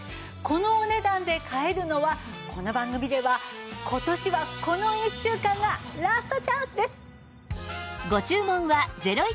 このお値段で買えるのはこの番組では今年はこの１週間がラストチャンスです。